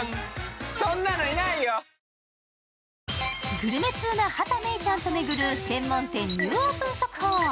グルメ通な畑芽育ちゃんと巡る専門店ニューオープン速報。